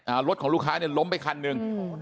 รถของลูกค้าเนี่ยล้มไปคันหนึ่งโอ้โห